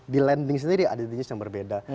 di lending sendiri ada jenis yang berbeda